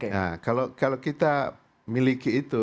nah kalau kita miliki itu